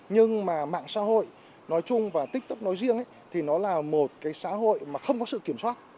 nhưng mà mạng xã hội nói chung và tiktok nói riêng thì nó là một cái xã hội mà không có sự kiểm soát